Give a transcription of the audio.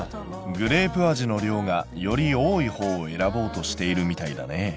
グレープ味の量がより多いほうを選ぼうとしているみたいだね。